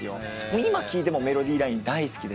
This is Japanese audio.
今聴いてもメロディーライン大好きですし。